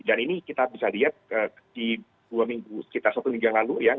dan ini kita bisa lihat di dua minggu sekitar satu minggu yang lalu ya